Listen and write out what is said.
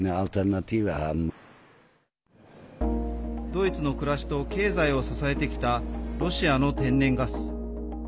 ドイツの暮らしと経済を支えてきたロシアの天然ガス。